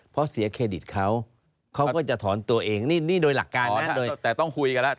เพราะเสียเครดิตเขาเขาก็จะถอนตัวเองนี่โดยหลักการนั้นเลยแต่ต้องคุยกันแล้ว